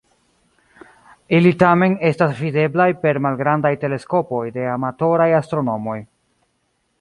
Ili tamen estas videblaj per malgrandaj teleskopoj de amatoraj astronomoj.